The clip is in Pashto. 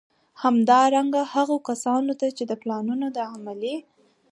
همدارنګه، هغو کسانو ته چي د پلانونو د عملي